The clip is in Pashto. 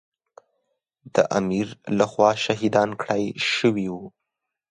د امیر له خوا شهیدان کړای شوي وو.